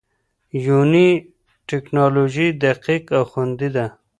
یوني ټېکنالوژي دقیق او خوندي ده.